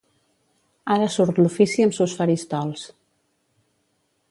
Ara surt l'ofici amb sos faristols.